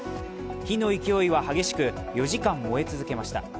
火の勢いは激しく４時間、燃え続けました。